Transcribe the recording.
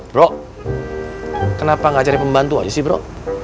bro kenapa gak cari pembantu aja sih bro